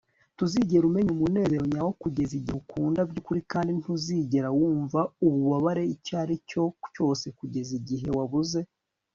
ntuzigera umenya umunezero nyawo kugeza igihe ukunda by'ukuri, kandi ntuzigera wumva ububabare icyo ari cyo cyose kugeza igihe wabuze